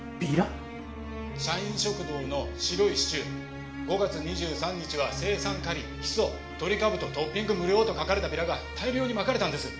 ☎「社員食堂の白いシチュー５月２３日は青酸カリヒ素トリカブトトッピング無料」と書かれたビラが大量にまかれたんです。